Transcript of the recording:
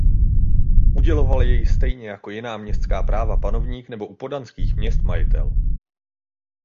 Uděloval jej stejně jako jiná městská práva panovník nebo u poddanských měst majitel.